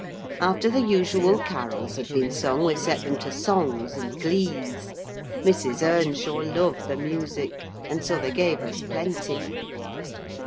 After the usual carols had been sung, we set them to songs and glees. Mrs. Earnshaw loved the music, and so they gave us plenty.